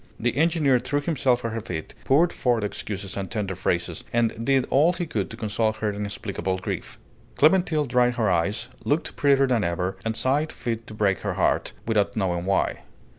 The engineer threw himself at her feet, poured forth excuses and tender phrases, and did all he could to console her inexplicable grief. Clémentine dried her eyes, looked prettier than ever, and sighed fit to break her heart, without knowing why.